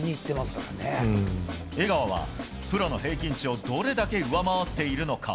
江川は、プロの平均値をどれほど上回っているのか？